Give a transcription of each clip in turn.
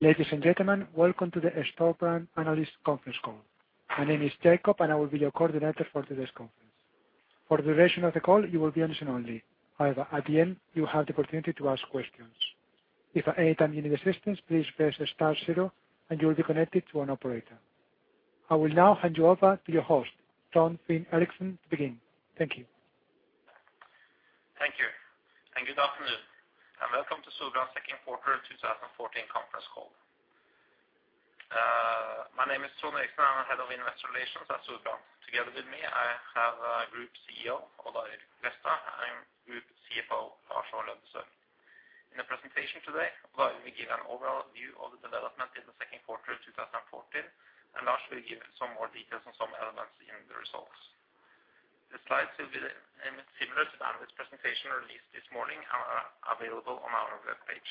Ladies and gentlemen, welcome to the Storebrand analyst conference call. My name is Jacob, and I will be your coordinator for today's conference. For the duration of the call, you will be on listen only. However, at the end, you have the opportunity to ask questions. If at any time you need assistance, please press star zero, and you will be connected to an operator. I will now hand you over to your host, Trond Finn Eriksen, to begin. Thank you. Thank you, and good afternoon, and welcome to Storebrand's second quarter of 2014 conference call. My name is Trond Eriksen, I'm Head of Investor Relations at Storebrand. Together with me, I have our Group CEO, Odd Arild Grefstad, and Group CFO, Lars Aa. Løddesøl. In the presentation today, Odd will give an overall view of the development in the second quarter of 2014, and Lars will give some more details on some elements in the results. The slides will be the same as similar to the analyst presentation released this morning and are available on our webpage.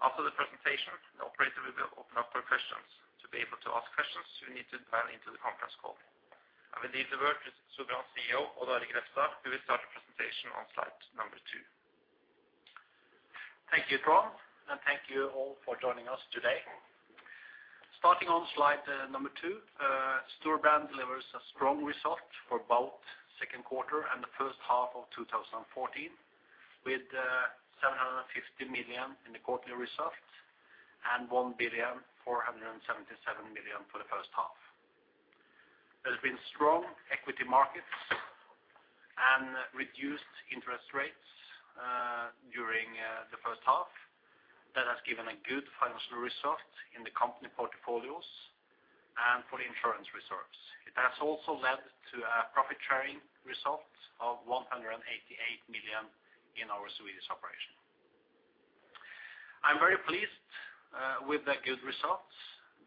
After the presentation, the operator will open up for questions. To be able to ask questions, you need to dial into the conference call. I will leave the word to Storebrand CEO, Odd Arild Grefstad, who will start the presentation on slide number two. Thank you, Trond, and thank you all for joining us today. Starting on slide number two, Storebrand delivers a strong result for both second quarter and the first half of 2014, with 750 million in the quarterly result and 1,477 million for the first half. There's been strong equity markets and reduced interest rates during the first half. That has given a good financial result in the company portfolios and for the insurance reserves. It has also led to a profit sharing result of 188 million in our Swedish operation. I'm very pleased with the good results,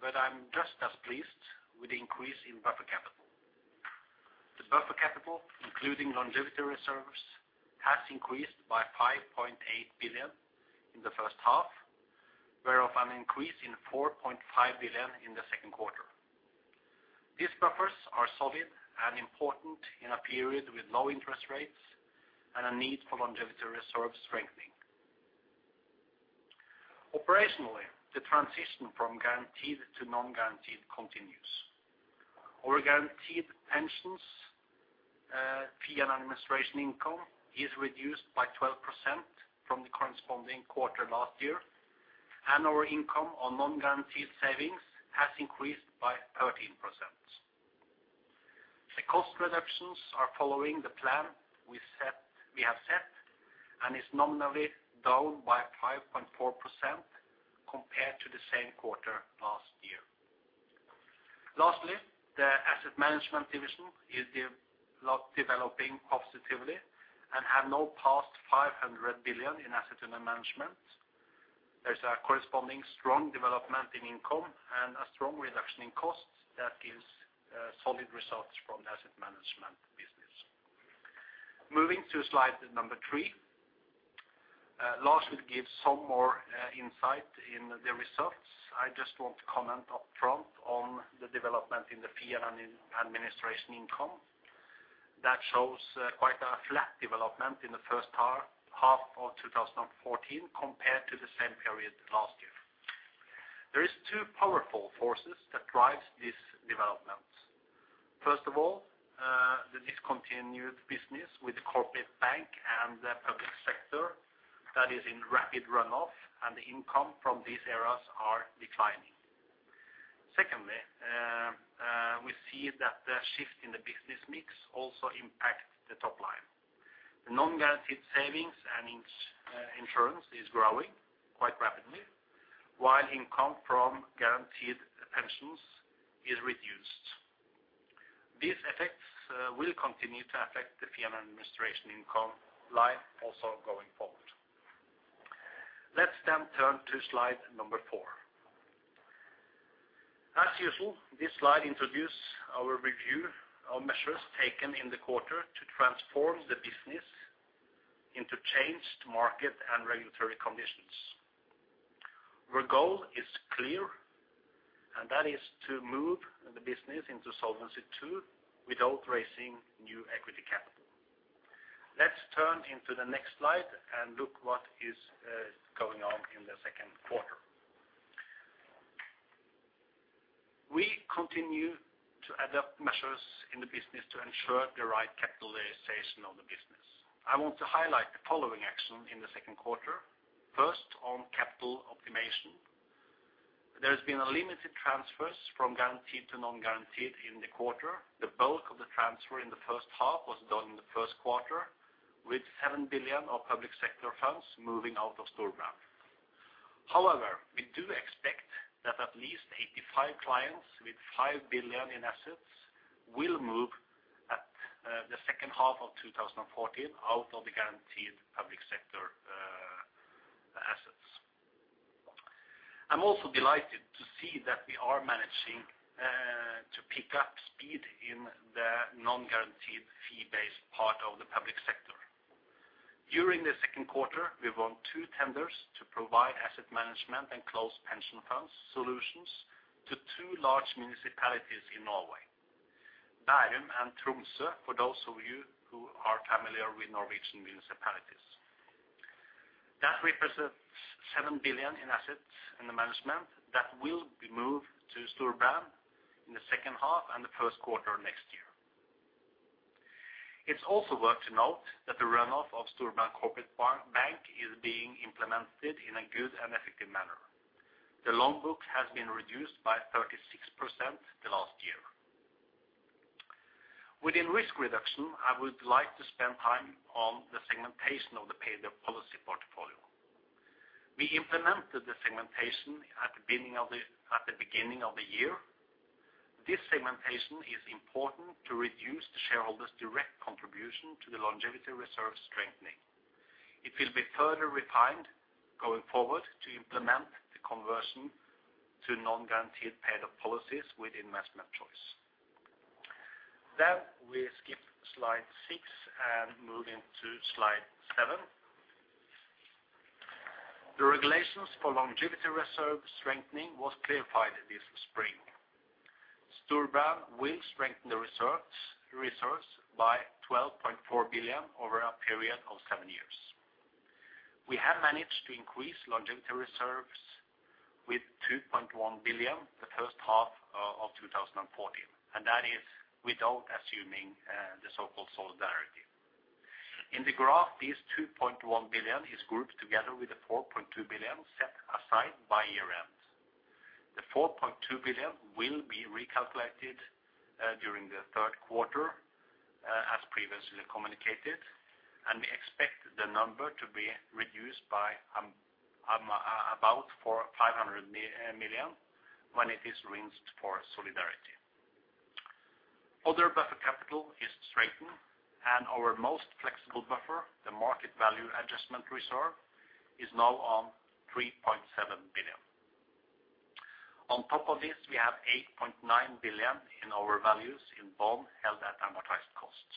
but I'm just as pleased with the increase in buffer capital. The buffer capital, including longevity reserves, has increased by 5.8 billion in the first half, whereof an increase in 4.5 billion in the second quarter. These buffers are solid and important in a period with low interest rates and a need for longevity reserve strengthening. Operationally, the transition from guaranteed to non-guaranteed continues. Our guaranteed pensions, fee and administration income is reduced by 12% from the corresponding quarter last year, and our income on non-guaranteed savings has increased by 13%. The cost reductions are following the plan we have set, and is nominally down by 5.4% compared to the same quarter last year. Lastly, the asset management division is developing positively and have now passed 500 billion in assets under management. There's a corresponding strong development in income and a strong reduction in costs that gives solid results from the asset management business. Moving to slide number 3, Lars will give some more insight in the results. I just want to comment upfront on the development in the fee and in administration income. That shows quite a flat development in the first half of 2014 compared to the same period last year. There are two powerful forces that drive this development. First of all, the discontinued business with the corporate bank and the public sector that is in rapid runoff, and the income from these areas are declining. Secondly, we see that the shift in the business mix also impacts the top line. The non-guaranteed savings and insurance is growing quite rapidly, while income from guaranteed pensions is reduced. These effects will continue to affect the fee and administration income line also going forward. Let's then turn to slide number four. As usual, this slide introduces our review of measures taken in the quarter to transform the business into changed market and regulatory conditions. Our goal is clear, and that is to move the business into Solvency II without raising new equity capital. Let's turn into the next slide and look what is going on in the second quarter. We continue to adopt measures in the business to ensure the right capitalization of the business. I want to highlight the following action in the second quarter. First, on capital optimization. There has been a limited transfers from guaranteed to non-guaranteed in the quarter. The bulk of the transfer in the first half was done in the first quarter, with 7 billion of public sector funds moving out of Storebrand. However, we do expect that at least 85 clients with 5 billion in assets will move at the second half of 2014 out of the guaranteed public sector assets. I'm also delighted to see that we are managing to pick up speed in the non-guaranteed fee-based part of the public sector. During the second quarter, we won two tenders to provide asset management and close pension funds solutions to two large municipalities in Norway... Bærum and Tromsø, for those of you who are familiar with Norwegian municipalities. That represents 7 billion in assets in the management that will be moved to Storebrand in the second half and the first quarter of next year. It's also worth noting that the runoff of Storebrand Corporate Bank is being implemented in a good and effective manner. The loan book has been reduced by 36% last year. Within risk reduction, I would like to spend time on the segmentation of the paid up policy portfolio. We implemented the segmentation at the beginning of the year. This segmentation is important to reduce the shareholders' direct contribution to the longevity reserve strengthening. It will be further refined going forward to implement the conversion to non-guaranteed paid up policies with investment choice. Then we skip slide six and move into slide seven. The regulations for longevity reserve strengthening was clarified this spring. Storebrand will strengthen the reserves by 12.4 billion over a period of seven years. We have managed to increase longevity reserves with 2.1 billion, the first half of 2014, and that is without assuming the so-called solidarity. In the graph, this 2.1 billion is grouped together with the 4.2 billion set aside by year-end. The 4.2 billion will be recalculated during the third quarter, as previously communicated, and we expect the number to be reduced by about 400-500 million when it is adjusted for solidarity. Other buffer capital is strengthened, and our most flexible buffer, the market value adjustment reserve, is now on 3.7 billion. On top of this, we have 8.9 billion in our value in bonds held at amortized cost.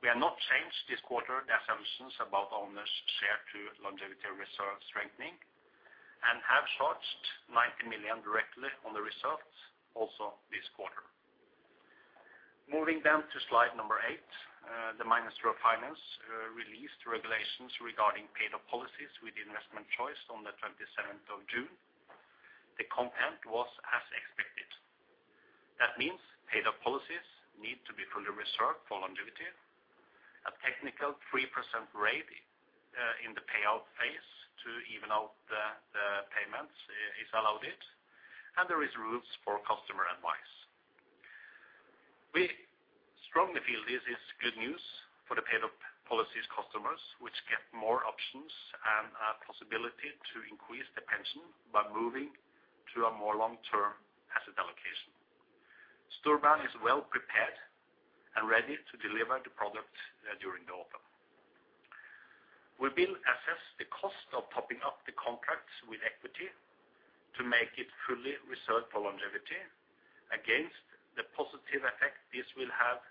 We have not changed this quarter the assumptions about owners' share to longevity reserve strengthening, and have charged 90 million directly on the results also this quarter. Moving down to slide number eight, the Ministry of Finance released regulations regarding paid up policies with investment choice on the 27th of June. The content was as expected. That means paid up policies need to be fully reserved for longevity. A technical 3% rate in the payout phase to even out the payments is allowed, and there is rules for customer advice. We strongly feel this is good news for the paid up policies customers, which get more options and a possibility to increase the pension by moving to a more long-term asset allocation. Storebrand is well prepared and ready to deliver the product during the autumn. We will assess the cost of topping up the contracts with equity to make it fully reserved for longevity against the positive effect this will have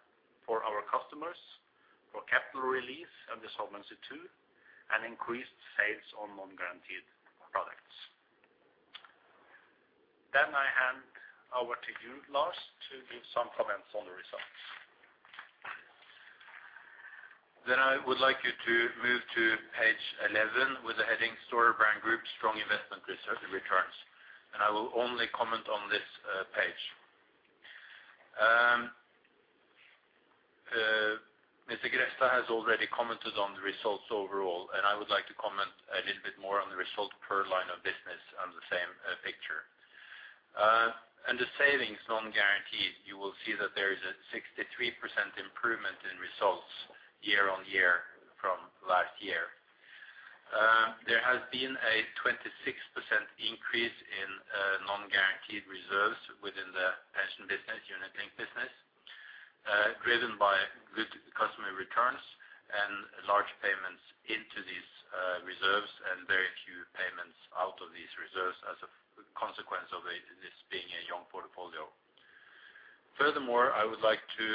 for our customers, for capital release and the solvency too, and increased sales on non-guaranteed products. Then I hand over to you, Lars, to give some comments on the results. Then I would like you to move to page 11 with the heading, Storebrand Group Strong Investment Reserve Returns, and I will only comment on this page. Mr. Grefstad has already commented on the results overall, and I would like to comment a little bit more on the result per line of business on the same picture. Under savings non-guaranteed, you will see that there is a 63% improvement in results year-on-year from last year. There has been a 26% increase in non-guaranteed reserves within the pension business, Unit Linked business, driven by good customer returns and large payments into these reserves, and very few payments out of these reserves as a consequence of this being a young portfolio. Furthermore, I would like to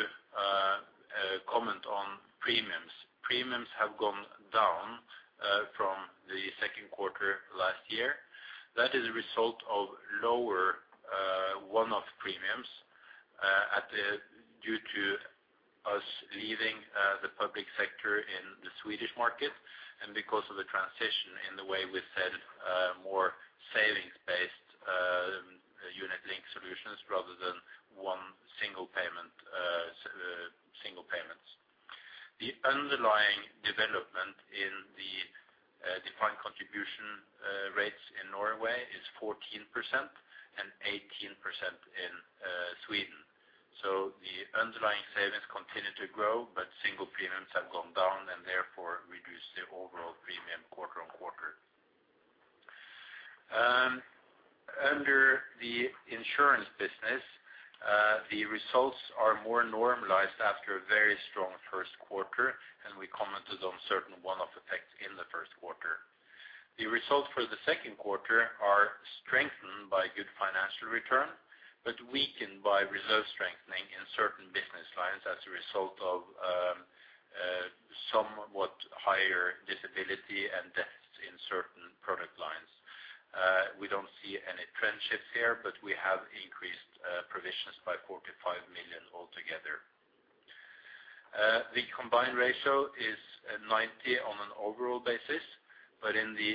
comment on premiums. Premiums have gone down from the second quarter last year. That is a result of lower one-off premiums due to us leaving the public sector in the Swedish market, and because of the transition in the way we sell more savings-based unit-linked solutions rather than one single payment single payments. The underlying development in the defined contribution rates in Norway is 14% and 18% in Sweden. So the underlying savings continue to grow, but single premiums have gone down and therefore reduced the overall premium quarter on quarter. Under the insurance business, the results are more normalized after a very strong first quarter, and we commented on certain one-off effects in the first quarter. The results for the second quarter are strengthened by good financial return, but weakened by reserve strengthening in certain business lines as a result of somewhat higher disability and deaths, but we have increased provisions by 45 million altogether. The combined ratio is at 90% on an overall basis, but in the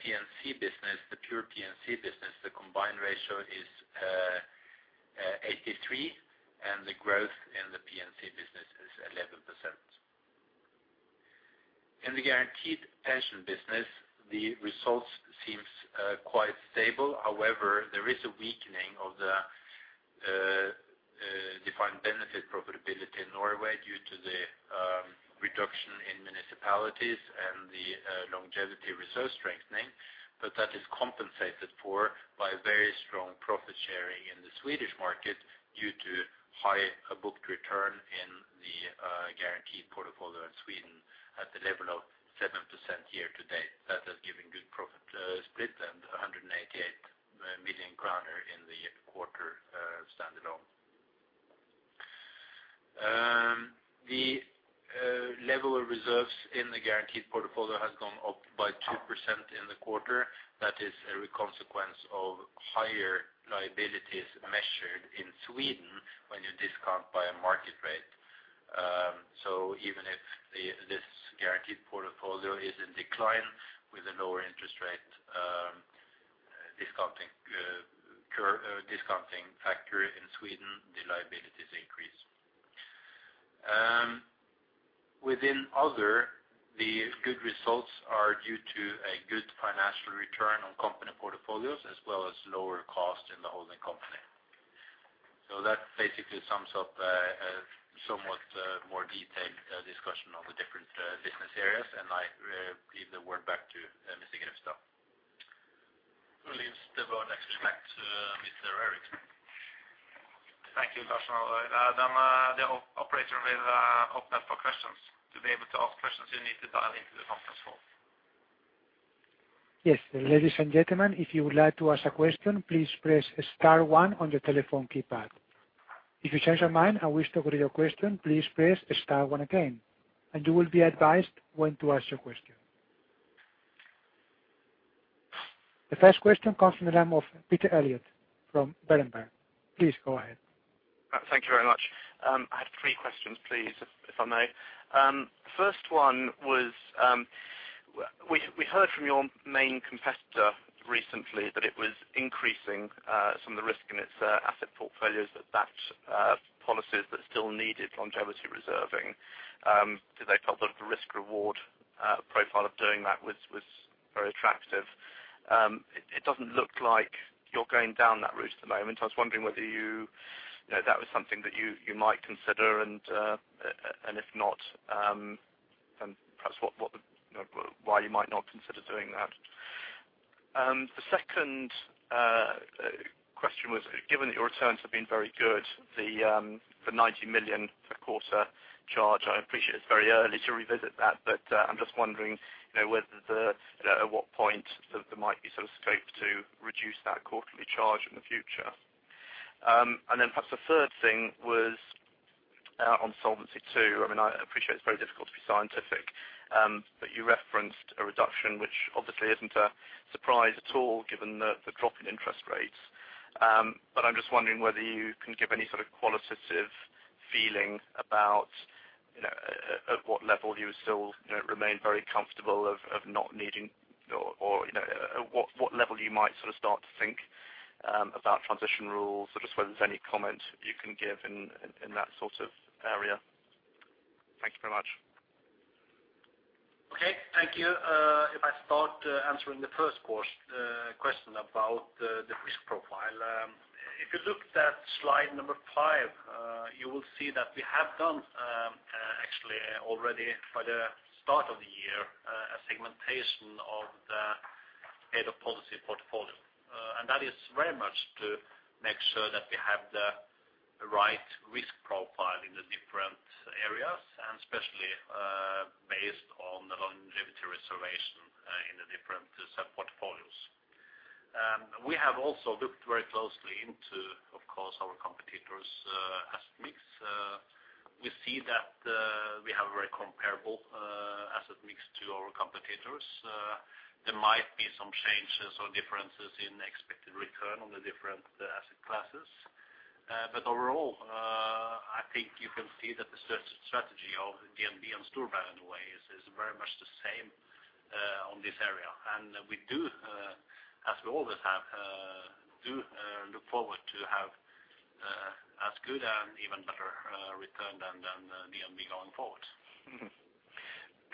P&C business, the pure P&C business, the combined ratio is 83%, and the growth in the P&C business is 11%. In the guaranteed pension business, the results seems quite stable. However, there is a weakening of the defined benefit profitability in Norway due to the reduction in municipalities and the longevity reserve strengthening. That is compensated for by very strong profit sharing in the Swedish market due to high booked return in the guaranteed portfolio in Sweden at the level of 7% year to date. That has given good profit split, and 188 million kroner in the quarter standalone. The level of reserves in the guaranteed portfolio has gone up by 2% in the quarter. That is a consequence of higher liabilities measured in Sweden when you discount by a market rate. So even if this guaranteed portfolio is in decline with a lower interest rate discounting factor in Sweden, the liabilities increase. Within other, the good results are due to a good financial return on company portfolios, as well as lower cost in the holding company. So that basically sums up a somewhat more detailed discussion of the different business areas. I give the word back to Mr. Grefstad. Who leaves the word next? Back to Mr. Eriksen. Thank you, Lars. Then, the operator will open up for questions. To be able to ask questions, you need to dial into the conference call. Yes. Ladies and gentlemen, if you would like to ask a question, please press star one on your telephone keypad. If you change your mind and wish to withdraw your question, please press star one again, and you will be advised when to ask your question. The first question comes from the name of Peter Eliot from Berenberg. Please go ahead. Thank you very much. I had three questions, please, if I may. First one was, we heard from your main competitor recently that it was increasing some of the risk in its asset portfolios, that policies that still needed longevity reserving, because they felt that the risk/reward profile of doing that was very attractive. It doesn't look like you're going down that route at the moment. I was wondering whether you know, that was something that you might consider, and if not, then perhaps what the... You know, why you might not consider doing that? The second question was, given that your returns have been very good, the 90 million per quarter charge, I appreciate it's very early to revisit that, but, I'm just wondering, you know, whether the, at what point there, there might be some scope to reduce that quarterly charge in the future. Then perhaps a third thing was, on Solvency II. I mean, I appreciate it's very difficult to be scientific, but you referenced a reduction, which obviously isn't a surprise at all, given the, the drop in interest rates. But, I'm just wondering whether you can give any sort of qualitative feeling about, you know, at what level you still, you know, remain very comfortable of not needing or, you know, at what level you might sort of start to think about transition rules, or just whether there's any comment you can give in that sort of area. Thank you very much. Okay, thank you. If I start answering the first question about the risk profile. If you look at slide number five, you will see that we have done actually already by the start of the year a segmentation of the head of policy portfolio. And that is very much to make sure that we have the right risk profile in the different areas, and especially based on the longevity reserves in the different sub-portfolios. We have also looked very closely into, of course, our competitors' asset mix. We see that we have a very comparable asset mix to our competitors. There might be some changes or differences in expected return on the different asset classes. But overall, I think you can see that the strategy of DNB and Storebrand anyway is very much the same on this area. And we do, as we always have, look forward to have as good and even better return than DNB going forward.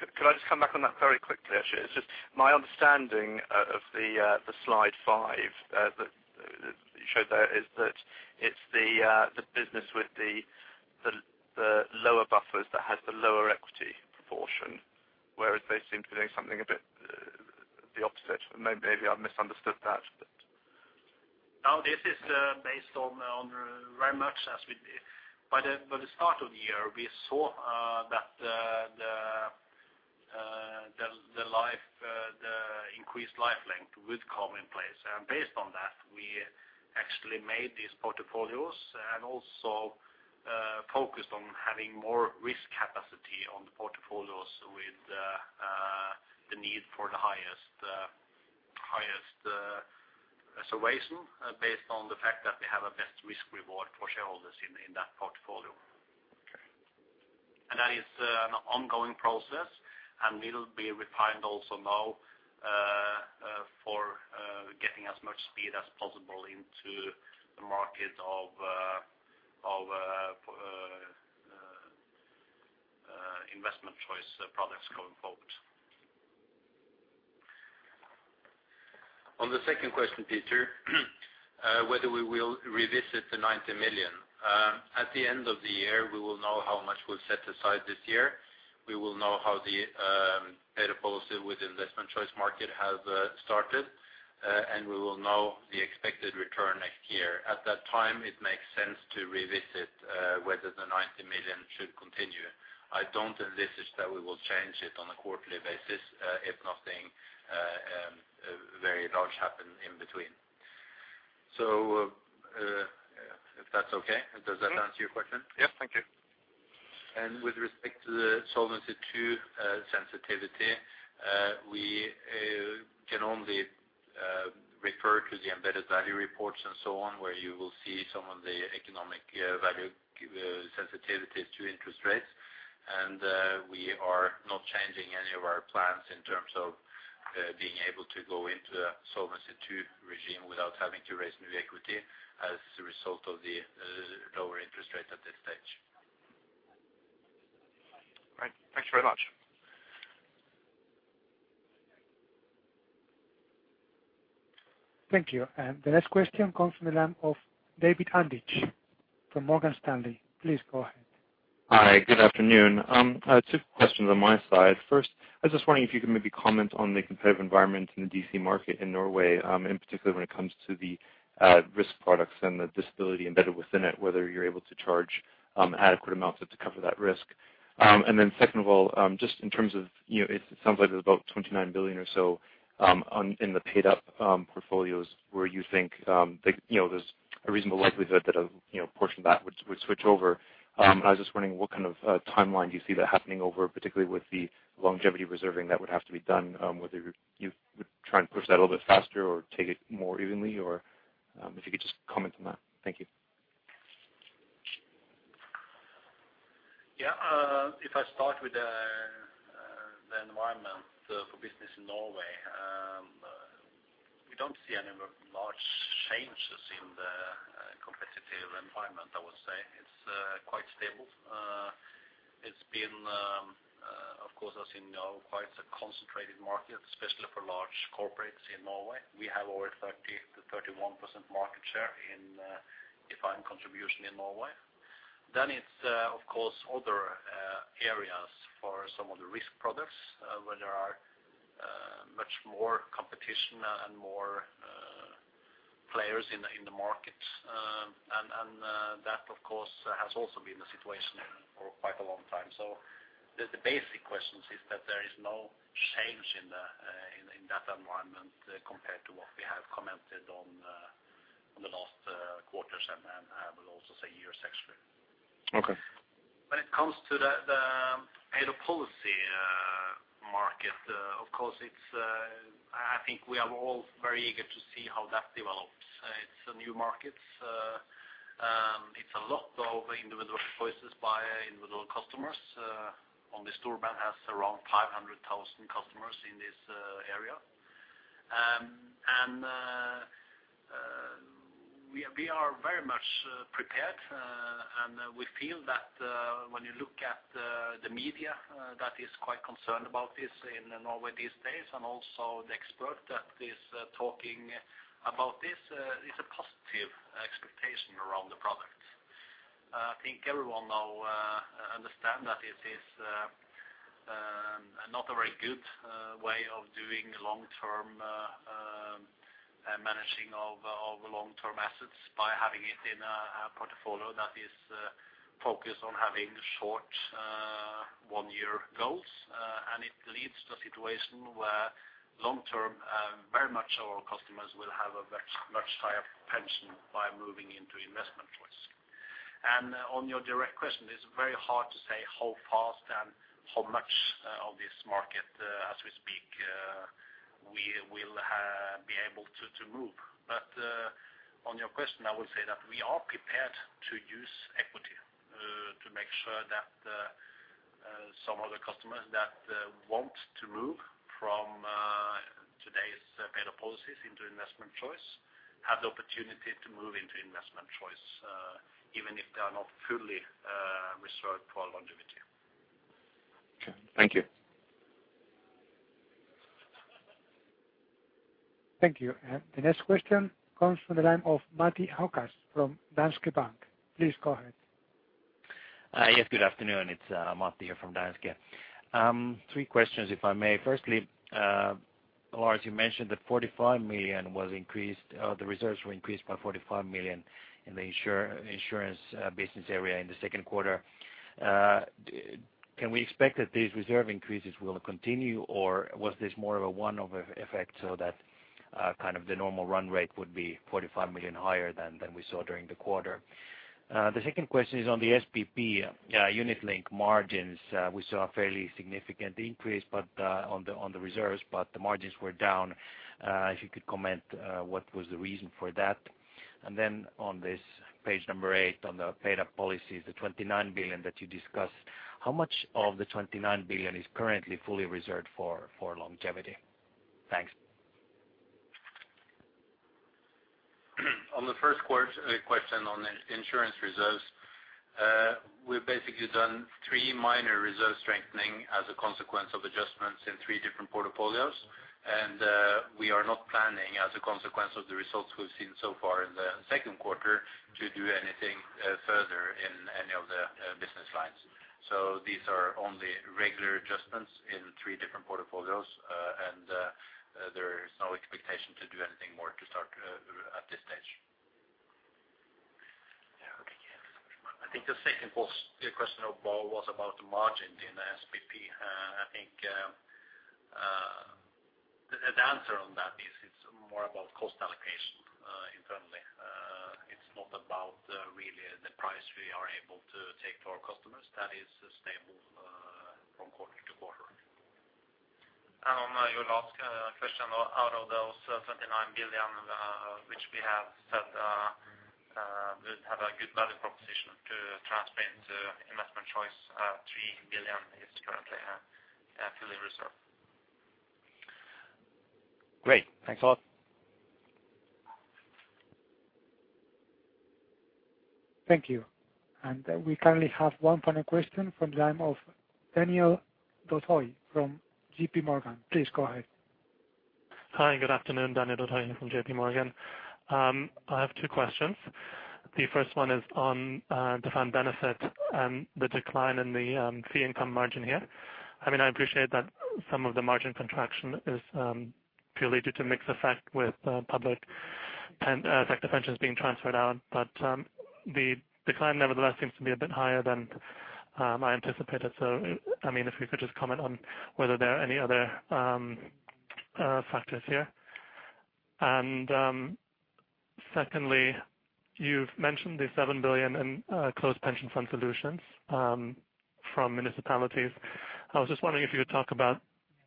Could I just come back on that very quickly, actually? It's just my understanding of the slide five that you showed there, is that it's the business with the lower buffers that has the lower equity proportion, whereas they seem to be doing something a bit the opposite. Maybe I've misunderstood that, but... No, this is based on very much as we did. By the start of the year, we saw that the increased life length would come in place, and based on that WE actually made these portfolios and also focused on having more risk capacity on the portfolios with the need for the highest reservation, based on the fact that we have a best risk reward for shareholders in that portfolio. Okay. That is an ongoing process, and it'll be refined also now for getting as much speed as possible into the market of investment choice products going forward. On the second question, Peter, whether we will revisit the 90 million. At the end of the year, we will know how much we've set aside this year. We will know how the paid policy with investment choice market has started, and we will know the expected return next year. At that time, it makes sense to revisit whether the 90 million should continue. I don't envisage that we will change it on a quarterly basis, if nothing very large happen in between. So, if that's okay, does that answer your question? Yes. Thank you. With respect to the Solvency II sensitivity, we can only refer to the Embedded Value reports and so on, where you will see some of the economic value sensitivities to interest rates. We are not changing any of our plans in terms of being able to go into the Solvency II regime without having to raise new equity as a result of the lower interest rate at this stage. Great. Thanks very much. Thank you. The next question comes from the line of David Andrich from Morgan Stanley. Please go ahead. Hi, good afternoon. I have two questions on my side. First, I was just wondering if you could maybe comment on the competitive environment in the DC market in Norway, in particular, when it comes to the risk products and the disability embedded within it, whether you're able to charge adequate amounts to cover that risk. And then second of all, just in terms of, you know, it sounds like there's about 29 billion or so in the paid up portfolios, where you think, you know, there's a reasonable likelihood that a, you know, portion of that would switch over. I was just wondering, what kind of timeline do you see that happening over, particularly with the longevity reserving that would have to be done, whether you would try and push that a little bit faster or take it more evenly, or, if you could just comment on that? Thank you. Yeah, if I start with the environment for business in Norway, we don't see any large changes in the competitive environment, I would say. It's quite stable. It's been, of course, as you know, quite a concentrated market, especially for large corporates in Norway. We have over 30%-31% market share in defined contribution in Norway. Then it's, of course, other areas for some of the risk products, where there are much more competition and more players in the market. And that, of course, has also been the situation for quite a long time. So the basic question is that there is no change in that environment compared to what we have commented on the last quarters, and then I will also say years, actually. Okay. When it comes to the paid up policy market, of course, it's—I think we are all very eager to see how that develops. It's a new market. It's a lot of individual choices by individual customers. Only Storebrand has around 500,000 customers in this area. And we are very much prepared, and we feel that when you look at the media that is quite concerned about this in Norway these days, and also the expert that is talking about this is a positive expectation around the product. I think everyone now understands that it is not a very good way of doing long-term managing of long-term assets by having it in a portfolio that is focused on having short one-year goals. And it leads to a situation where long-term very much our customers will have a much higher pension by moving into investment choice. And on your direct question, it's very hard to say how fast and how much of this market as we speak we will have... be able to move. On your question, I will say that we are prepared to use equity to make sure that some of the customers that want to move from today's paid up policies into investment choice have the opportunity to move into investment choice even if they are not fully reserved for longevity. Okay. Thank you. Thank you. The next question comes from the line of Matti Ahokas from Danske Bank. Please go ahead. Yes, good afternoon. It's Matti here from Danske. Three questions, if I may. Firstly, Lars, you mentioned that 45 million was increased, the reserves were increased by 45 million in the insurance business area in the second quarter. Can we expect that these reserve increases will continue, or was this more of a one-off effect so that kind of the normal run rate would be 45 million higher than we saw during the quarter? The second question is on the SPP unit link margins. We saw a fairly significant increase, but on the reserves, but the margins were down. If you could comment what was the reason for that? And then on this page eight, on the paid up policies, the 29 billion that you discussed, how much of the 29 billion is currently fully reserved for, for longevity? Thanks. On the first question on insurance reserves, we've basically done three minor reserve strengthening as a consequence of adjustments in three different portfolios. We are not planning, as a consequence of the results we've seen so far in the second quarter, to do anything further in any of the business lines. These are only regular adjustments in three different portfolios, and there is no expectation to do anything more to start at this stage. Yeah, I think the second post, the question of Paul, was about the margin in SPP. I think, the answer on that is it's more about cost allocation, internally. It's not about, really the price we are able to take to our customers. That is stable, from quarter to quarter. On your last question, out of those 29 billion, which we have said we have a good value proposition to transfer into investment choice, 3 billion is currently fully reserved. Great. Thanks a lot. Thank you. And we currently have one final question from the line of Daniel Gurtovy from JPMorgan. Please go ahead. Hi, good afternoon, Daniel Gurtovy from JPMorgan. I have two questions. The first one is on defined benefit and the decline in the fee income margin here. I mean, I appreciate that some of the margin contraction is purely due to mix effect with public and tech pensions being transferred out, but the decline, nevertheless, seems to be a bit higher than I anticipated. So, I mean, if you could just comment on whether there are any other factors here. And secondly, you've mentioned the 7 billion in closed pension fund solutions from municipalities. I was just wondering if you could talk about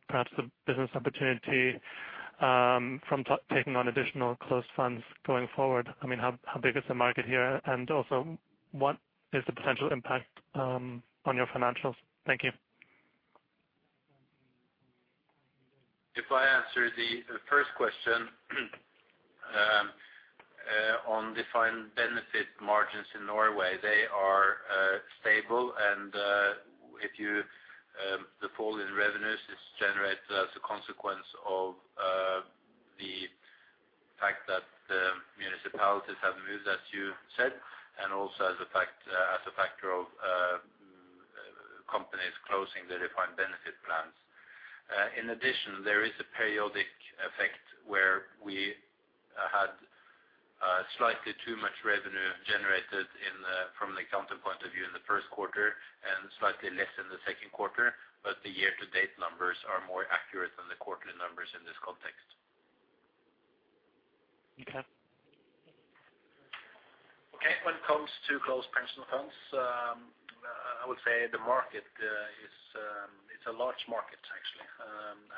perhaps the business opportunity from taking on additional closed funds going forward. How big is the market here? Also, what is the potential impact on your financials? Thank you. If I answer the first question on defined benefit margins in Norway, they are stable and, if you, the fall in revenues is generated as a consequence of the fact that the municipalities have moved, as you said, and also as a factor of companies closing their defined benefit plans. In addition, there is a periodic effect where we had slightly too much revenue generated from the accounting point of view in the first quarter and slightly less in the second quarter, but the year-to-date numbers are more accurate than the quarterly numbers in this context. Okay. Okay, when it comes to closed pension funds, I would say the market is, it's a large market actually.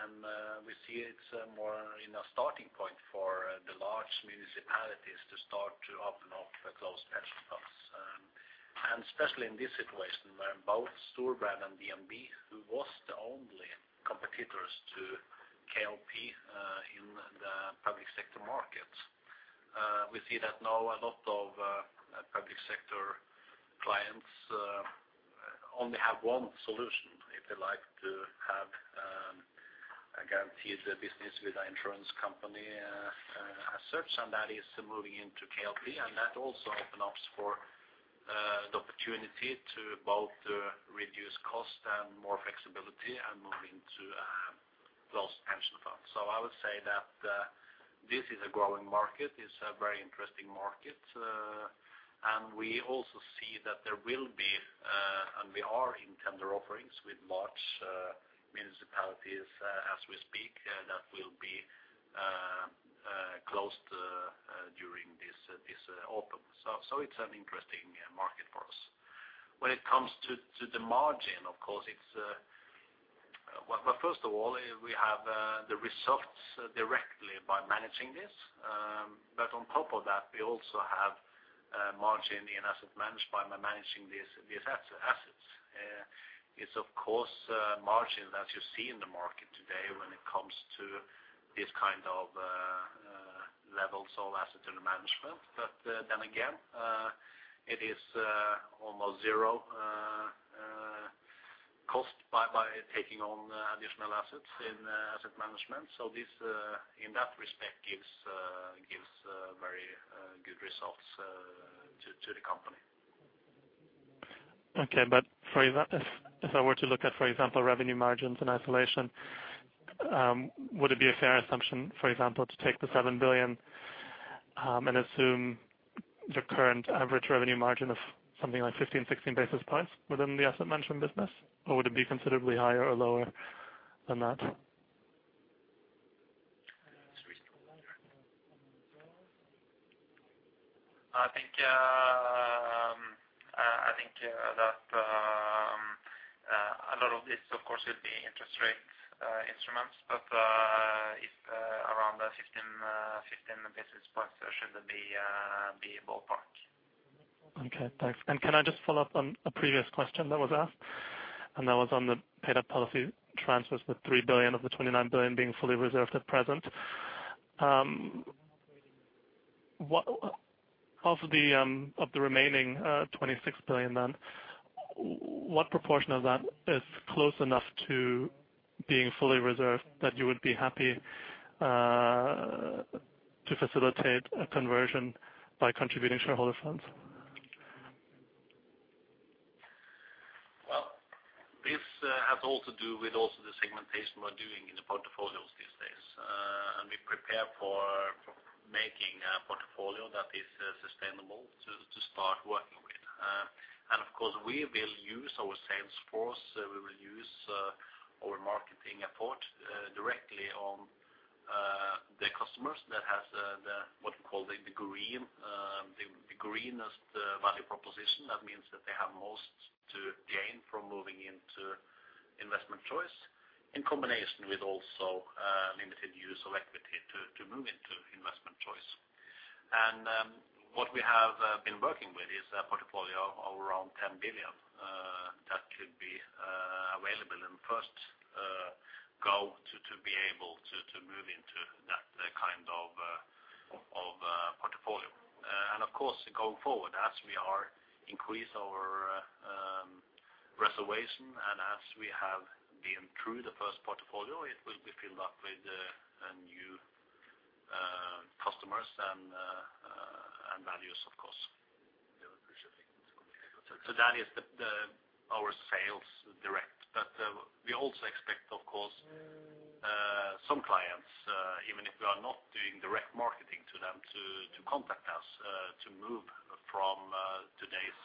And we see it's more in a starting point for the large municipalities to start to open up closed pension funds. And especially in this situation, where both Storebrand and DNB, who was the only competitors to KLP, in the public sector markets. We see that now a lot of public sector clients only have one solution if they like to have a guaranteed business with an insurance company as such, and that is moving into KLP. And that also opens up for the opportunity to both reduce cost and more flexibility and move into closed pension funds so I would say that this is a growing market. It's a very interesting market, and we also see that there will be, and we are in tender offerings with large municipalities, as we speak, that will be closed during this autumn. So it's an interesting market for us. When it comes to the margin, of course, it's a... Well, first of all, we have the results directly by managing this, but on top of that, we also have margin in asset managed by managing these assets. It's of course margin that you see in the market today when it comes to this kind of levels of assets under management. But then again, it is almost zero cost by taking on additional assets in asset management. So this in that respect gives very good results. Okay, but for example, if I were to look at, for example, revenue margins in isolation, would it be a fair assumption, for example, to take the 7 billion, and assume your current average revenue margin of something like 15, 16 basis points within the asset management business or would it be considerably higher or lower than that? I think that a lot of this, of course, will be interest rate instruments, but it's around the 15 basis points, should be ballpark. Okay, thanks. Can I just follow up on a previous question that was asked? That was on the paid up policy transfers, the 3 billion of the 29 billion being fully reserved at present. What of the remaining 26 billion then, what proportion of that is close enough to being fully reserved, that you would be happy to facilitate a conversion by contributing shareholder funds? Well, this has all to do with also the segmentation we're doing in the portfolios these days. And we prepare for making a portfolio that is sustainable to start working with. And of course, we will use our sales force, we will use our marketing effort directly on the customers that has the what we call the greenest value proposition. That means that they have most to gain from moving into investment choice, in combination with also limited use of equity to move into investment choice. And what we have been working with is a portfolio of around 10 billion that could be available in first go to be able to move into that kind of portfolio. Of course, going forward, as we increase our reservation, and as we have been through the first portfolio, it will be filled up with new customers and values, of course. That is our sales direct. We also expect of course some clients, even if we are not doing direct marketing to them, to contact us to move from today's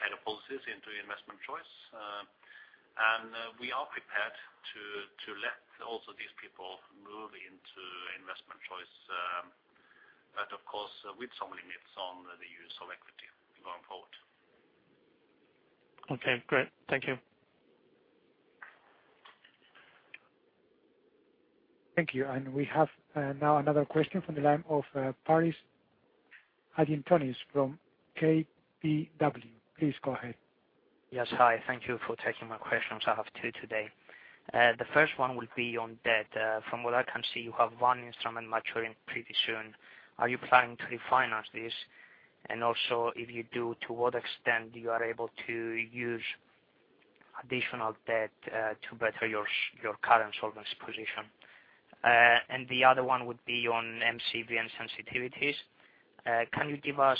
paid up policies into investment choice. We are prepared to let also these people move into investment choice, but of course, with some limits on the use of equity going forward. Okay, great. Thank you. Thank you. We have now another question from the line of Paris Hadjiantonis from KBW. Please go ahead. Yes, hi. Thank you for taking my questions. I have two today. The first one will be on debt. From what I can see, you have one instrument maturing pretty soon. Are you planning to refinance this? And also, if you do, to what extent you are able to use additional debt to better your current solvency position? And the other one would be on MCV and sensitivities. Can you give us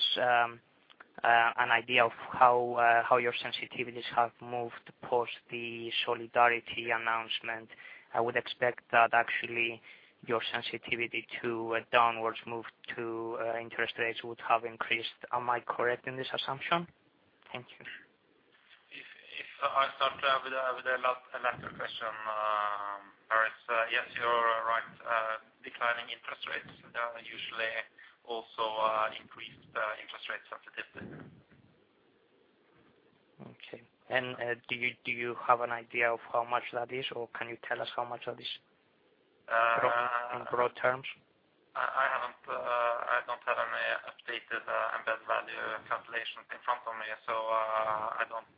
an idea of how your sensitivities have moved post the solidarity announcement? I would expect that actually, your sensitivity to a downwards move to interest rates would have increased. Am I correct in this assumption? Thank you. If I start with the last question, Paris, yes, you're right. Declining interest rates usually also increase the interest rate sensitivity. Okay. And, do you, do you have an idea of how much that is, or can you tell us how much that is, in broad terms? I haven't, I don't have any updated, Embedded Value calculations in front of me, so, I don't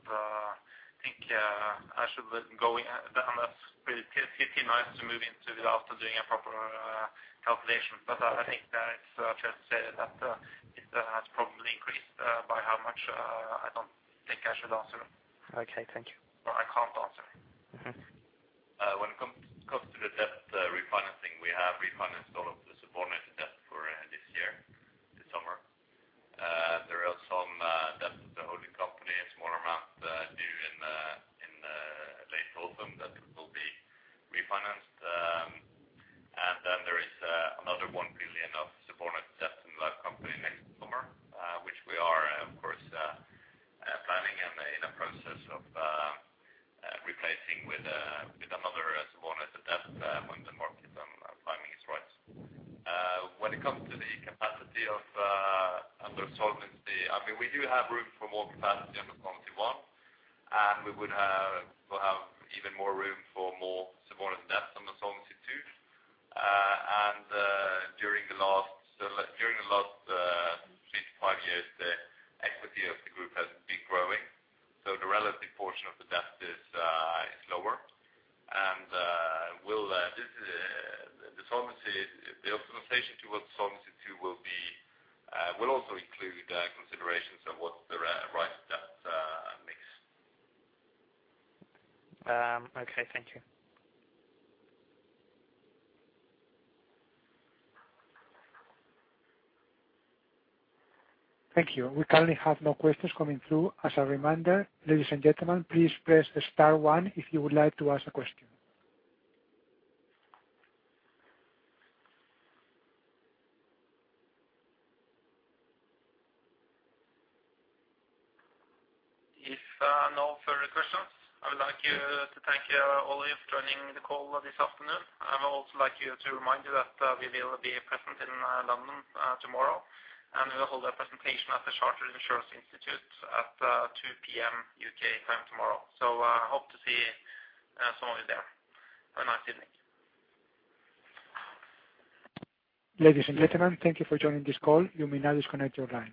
comes to the capacity under solvency, I mean, we do have room for more capacity under Solvency I, and we will have even more room for more subordinate debt under Solvency II. During the last three to five years, the equity of the group has been growing, so the relative portion of the debt is lower. The solvency, the optimization towards Solvency II will also include considerations of what the right debt makes. Okay, thank you. Thank you. We currently have no questions coming through. As a reminder ladies and gentlemen, please press star one if you would like to ask a question. If no further questions, I would like to thank you, all of you, for joining the call this afternoon. I would also like to remind you that we will be present in London tomorrow, and we will hold a presentation at the Chartered Insurance Institute at 2:00 P.M. U.K. Time tomorrow. So, hope to see some of you there. Have a nice evening. Ladies and gentlemen, thank you for joining this call. You may now disconnect your line.